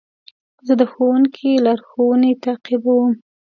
زه د ښوونکي لارښوونې تعقیبوم.